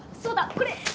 これ。